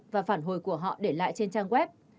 và phản hồi của họ để lại trên trang web